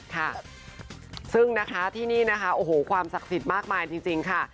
ค่ะซึ่งนะคะที่นี่นะคะโอ้โหความศักดิ์สิทธิ์มากมายจริงค่ะ